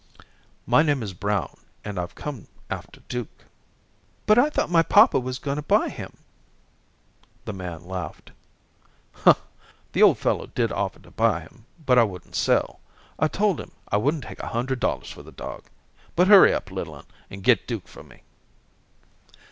"My name is Brown, and I've come after Duke." "But I thought my papa was going to buy him." The man laughed. "The old fellow did offer to buy him, but I wouldn't sell. I told him I wouldn't take a hundred dollars for the dog. But hurry up, little un, and get Duke for me."